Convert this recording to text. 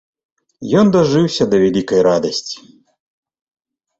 Ён дажыўся да вялікай радасці.